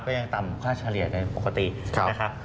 ก็ยังต่ำค่าเฉลี่ยในปกตินะครับ